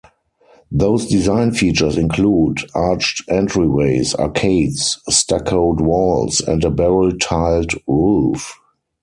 Those design features include arched entryways, arcades, stuccoed walls and a barrel-tiled roof.